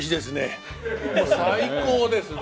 もう最高ですね！